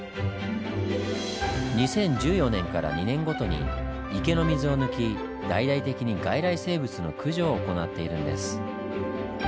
２０１４年から２年ごとに池の水を抜き大々的に外来生物の駆除を行っているんです。